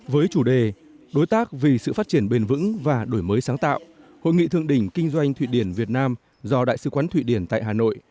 với chủ đề đối tác vì sự phát triển bền vững và đổi mới sáng tạo hội nghị thượng đỉnh kinh doanh thụy điển việt nam do đại sứ quán thụy điển tại hà nội